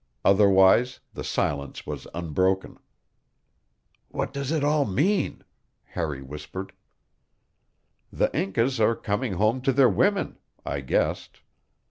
Otherwise the silence was unbroken. "What does it all mean?" Harry whispered. "The Incas are coming home to their women," I guessed.